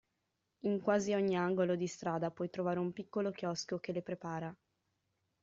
In quasi ogni angolo di strada puoi trovare un piccolo chiosco che le prepara.